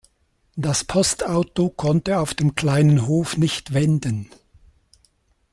Das Postauto konnte auf dem kleinen Hof nicht wenden.